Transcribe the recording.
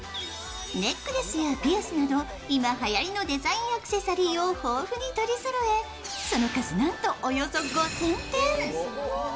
ネックレスやピアスなど今はやりのデザインアクセサリーを豊富に取りそろえ、その数、なんとおよそ５０００点。